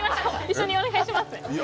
一緒にお願いします。